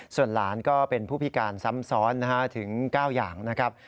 ส่วนหลานก็เป็นผู้พิการซ้ำซ้อนถึง๙อย่างนะครับ